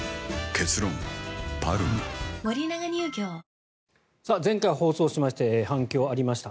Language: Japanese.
ニトリ前回放送しまして反響がありました